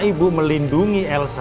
ibu melindungi elsa